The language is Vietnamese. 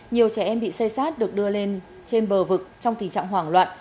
nhiều trẻ em bị xây sát được đưa lên trên bờ vực trong tình trạng hoảng loạn